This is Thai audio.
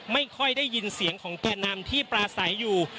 ไม่ค่อยได้ยินเสียงของแก่นำที่ปลาใสอยู่